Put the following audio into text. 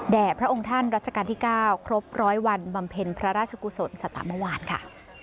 พระองค์ท่านรัชกาลที่๙ครบร้อยวันบำเพ็ญพระราชกุศลสตาเมื่อวานค่ะ